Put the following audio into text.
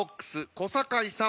小堺さん